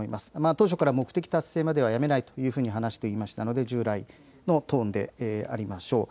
当初から目的達成まではやめないというふうに話していましたので従来のトーンでありましょう。